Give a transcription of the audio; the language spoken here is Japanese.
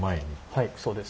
はいそうです。